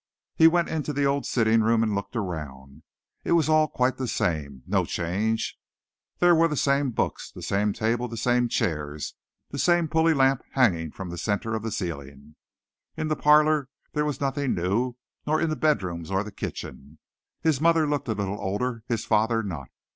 He went into the old sitting room and looked around. It was all quite the same no change. There were the same books, the same table, the same chairs, the same pulley lamp hanging from the center of the ceiling. In the parlor there was nothing new, nor in the bed rooms or the kitchen. His mother looked a little older his father not.